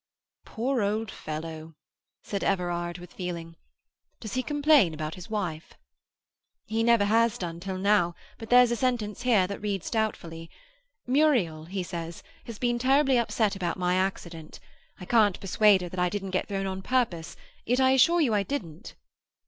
"Poor old fellow!" said Everard, with feeling. "Does he complain about his wife?" "He never has done till now, but there's a sentence here that reads doubtfully. "Muriel," he says, "has been terribly upset about my accident. I can't persuade her that I didn't get thrown on purpose; yet I assure you I didn't.""